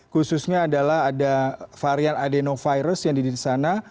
khususnya adalah ada varian adenovirus yang di sana